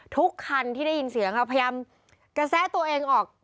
ทุกคันที่ได้ยินเสียงค่ะพยายามกระแสตัวเองออก